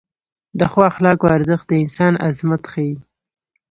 د ښو اخلاقو ارزښت د انسان عظمت ښیي.